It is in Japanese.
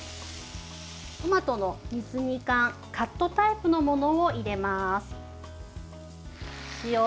トマトの水煮缶カットタイプのものを入れます。